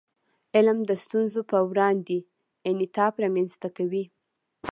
علم د ستونزو په وړاندې انعطاف رامنځته کوي.